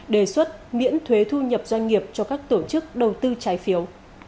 đề xuất miễn thuế thu nhập doanh nghiệp cho các tổ chức đầu tư trái phiếu